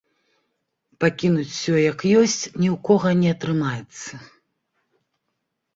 Пакінуць усё як ёсць ні ў кога не атрымаецца.